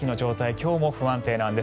今日も不安定なんです。